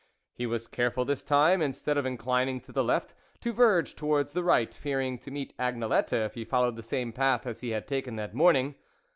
He was careful this time, instead of inclining to the left, to verge towards the right, fearing to meet Agnelette if he followed the same path as he had taken that morning.